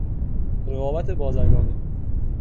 رقابت بازرگانی